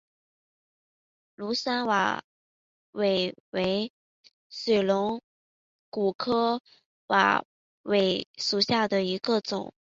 庐山瓦韦为水龙骨科瓦韦属下的一个种。